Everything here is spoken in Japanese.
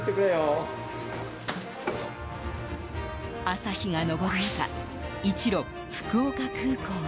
朝日が昇る中一路、福岡空港へ。